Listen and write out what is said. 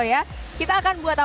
untuk tekanan batu